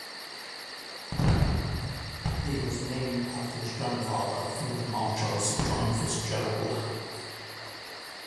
He was named after his grandfather, Field Marshal Sir John FitzGerald.